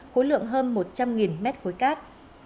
khối lượng hơn một trăm linh m khối cát